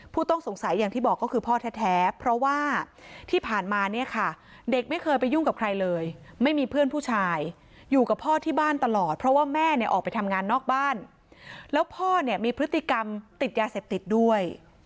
ผู้ต้องสงสัยอย่างที่บอกก็คือพ่อแท้เพราะว่าที่ผ่านมาเนี่ยค่ะเด็กไม่เคยไปยุ่งกับใครเลยไม่มีเพื่อนผู้ชายอยู่กับพ่อที่บ้านตลอดเพราะว่าแม่เนี่ยออกไปทำงานนอกบ้านแล้วพ่อเนี่ยมีพฤติกรรมติดยาเสพติดด้วย